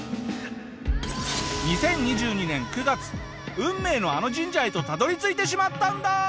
２０２２年９月運命のあの神社へとたどり着いてしまったんだ！